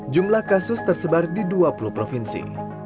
jumlah kasus tersebar di dua puluh provinsi